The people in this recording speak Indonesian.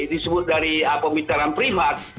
disebut dari pembicaraan privat